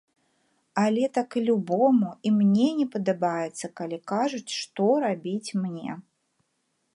Але так і любому, і мне не падабаецца, калі кажуць, што рабіць мне.